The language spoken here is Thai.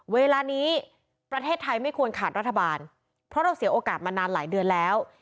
เวลานี้ประเทศไทยไม่ควรขาดรัฐบาลเพราะเราเสียโอกาสมานานหลายเดือนแล้ว